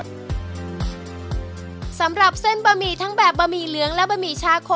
สำหรับเส้นบะหมี่ทั้งแบบบะหมี่เหลืองและบะหมี่ชาโค